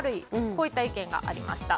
こういった意見がありました。